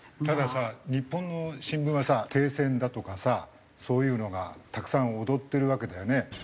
たださ日本の新聞はさ停戦だとかさそういうのがたくさん躍ってるわけだよね。